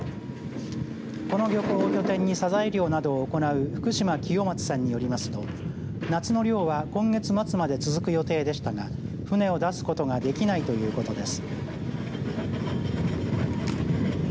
この漁港拠点にサザエ漁などを行う福島清松さんによりますと夏の漁は今月末まで続く予定でしたが船を出すことができないということです。